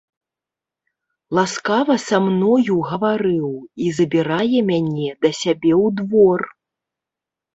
Ласкава са мною гаварыў і забірае мяне да сябе ў двор!